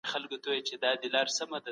بغیر له حقه د انسان وژل حرام دي.